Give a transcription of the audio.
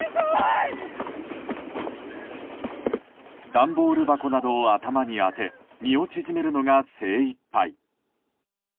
段ボール箱などを頭に当て身を縮めるのが精いっぱい。